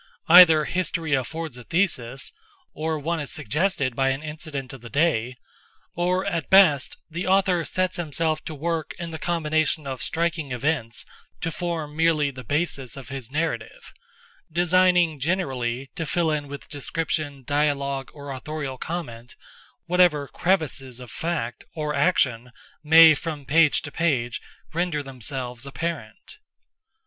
Either history affords a thesis—or one is suggested by an incident of the day—or, at best, the author sets himself to work in the combination of striking events to form merely the basis of his narrative—designing, generally, to fill in with description, dialogue, or autorial comment, whatever crevices of fact, or action, may, from page to page, render themselves apparent.